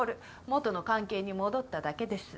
元の関係に戻っただけです。